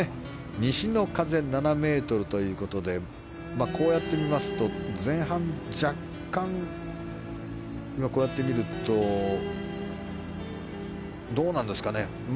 西の風７メートルということでこうやって見ますと前半、若干どうなんですかね。